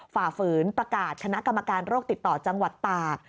ฝ่าฝืนประกาศคณะกรรมการโรคติดต่อจังหวัดตาก